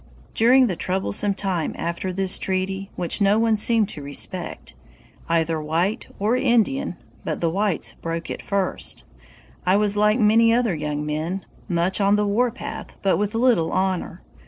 "During the troublesome time after this treaty, which no one seemed to respect, either white or Indian [but the whites broke it first], I was like many other young men much on the warpath, but with little honor.